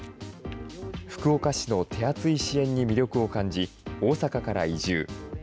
福岡市の手厚い支援に魅力を感じ、大阪から移住。